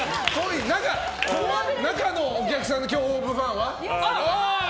中のお客さんで今日、ＯＷＶファンは？